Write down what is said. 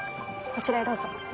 こちらへどうぞ。